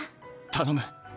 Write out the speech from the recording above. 頼む。